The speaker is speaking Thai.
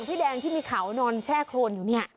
พี่แดงที่มีเขานอนแช่โครนอยู่เนี่ย